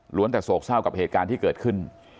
แต่โศกเศร้ากับเหตุการณ์ที่เกิดขึ้น